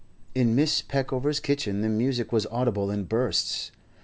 In Mrs. Peckover's kitchen the music was audible in bursts.